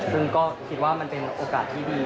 ซึ่งก็คิดว่ามันเป็นโอกาสที่ดี